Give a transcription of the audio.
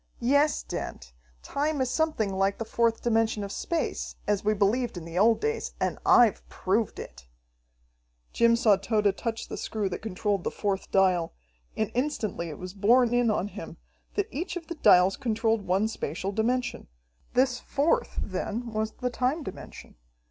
"Yes, Dent, time is something like the fourth dimension of space, as we believed in the old days, and I've proved it." Jim saw Tode touch the screw that controlled the fourth dial, and instantly it was borne in on him that each of the dials controlled one spatial dimension. This fourth, then, was the time dimension!